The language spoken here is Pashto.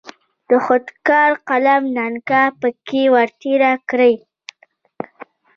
د خودکار قلم نلکه پکې ور تیره کړئ.